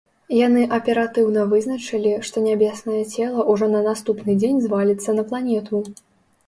Яны аператыўна вызначылі, што нябеснае цела ўжо на наступны дзень зваліцца на планету.